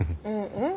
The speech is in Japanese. うん。